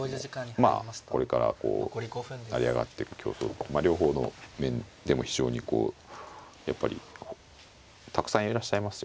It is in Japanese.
まあこれからこう成り上がっていく競争まあ両方の面でも非常にこうやっぱりたくさんいらっしゃいますよね。